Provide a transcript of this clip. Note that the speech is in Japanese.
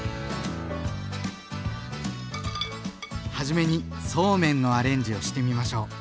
はじめにそうめんのアレンジをしてみましょう。